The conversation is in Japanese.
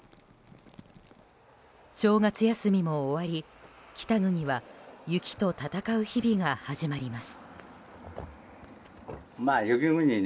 正月休みも終わり北国は雪と闘う日々が始まります。